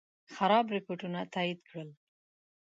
خراب رپوټونه تایید کړل.